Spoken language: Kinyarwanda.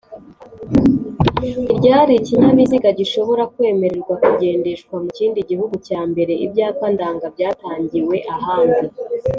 Niryari ikinyabiziga gishobora kwemererwa kugendeshwa mu kindi gihugu cyambaye Ibyapa ndanga byatangiwe ahandi